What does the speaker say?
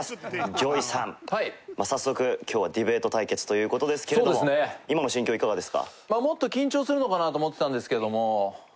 ＪＯＹさん早速今日はディベート対決という事ですけれども今の心境はいかがですか？